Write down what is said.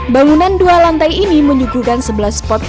bangunan dua lantai ini menyuguhkan sebelas spot